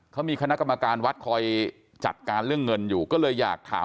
เขามีคณะกรรมการวัดคอยจัดการเรื่องเงินอยู่ก็เลยอยากถาม